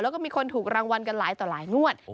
แล้วก็มีคนถูกรางวัลกันหลายต่อหลายงวด